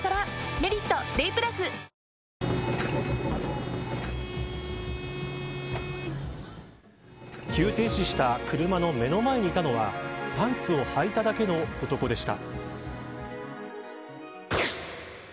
「メリットＤＡＹ＋」急停止した車の目の前にいたのはパンツをはいただけの男でした。